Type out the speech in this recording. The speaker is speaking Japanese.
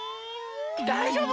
だいじょうぶ？